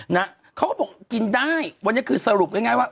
นะเขาก็บอกกินได้วันนี้คือสรุปง่ายว่า